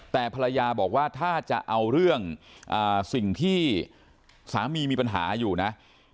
แต่ภรรยาบอกว่าถ้าจะเอาเรื่องสิ่งที่สามีมีปัญหาอยู่นะ